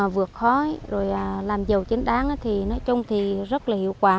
vượt khói rồi làm giàu chính đáng thì nói chung thì rất là hiệu quả